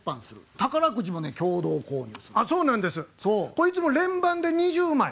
これいつも連番で２０枚。